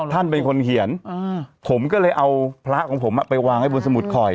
ท่านเป็นคนเขียนผมก็เลยเอาพระของผมไปวางไว้บนสมุดข่อย